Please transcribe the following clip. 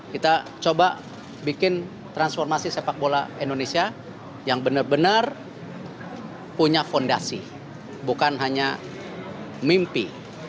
kita coba bikin transformasi sepak bola indonesia yang benar benar punya fondasi bukan hanya mimpi